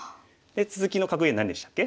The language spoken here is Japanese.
続きの格言何でしたっけ？